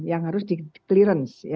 yang harus di clearance